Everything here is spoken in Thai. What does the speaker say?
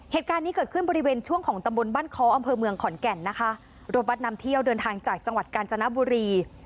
เหตุการณ์นี้เกิดขึ้นบริเวณช่วงของตำบลบ้านค้ออำเภอเมืองขอนแก่นนะคะรถบัตรนำเที่ยวเดินทางจากจังหวัดกาญจนบุรี